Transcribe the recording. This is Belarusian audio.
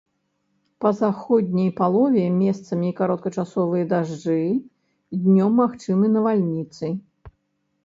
Па заходняй палове месцамі кароткачасовыя дажджы, днём магчымы навальніцы.